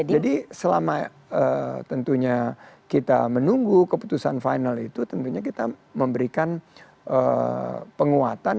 jadi selama tentunya kita menunggu keputusan final itu tentunya kita memberikan penguatan